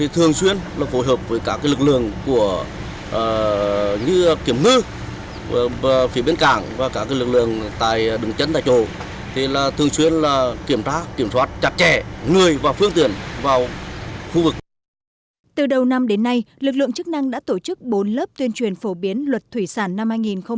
từ đầu năm đến nay lực lượng chức năng đã tổ chức bốn lớp tuyên truyền phổ biến luật thủy sản năm hai nghìn một mươi bảy